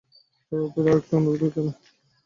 সদর দপ্তরে আরেকটি অনুরোধ জানাও।